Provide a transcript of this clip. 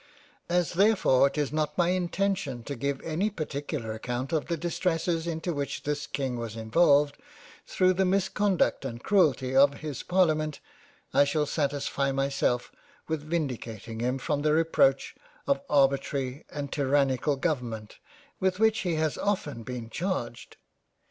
— As therefore it is not my intention to give any particular account of the distresses into which this King was involved through the misconduct and Cruelty of his Parlia ment, I shall satisfy myself with vindicating him from the Reproach of Arbitrary and tyrannical Government with which he has often been charged.